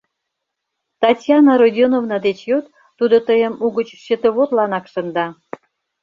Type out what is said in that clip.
Татьяна Родионовна деч йод, тудо тыйым угыч счетоводланак шында.